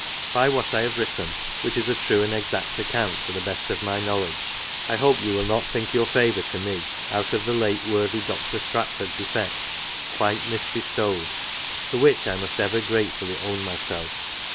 By what I have written (which is a true and exact account to the best of my knowledge) I hope you will not think your favour to me, out of the late worthy Dr. Stratford's effects, quite mis bestowed, for which I must ever gratefully own myself.